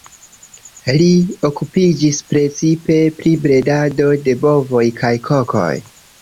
Li okupiĝis precipe pri bredado de bovoj kaj kokoj.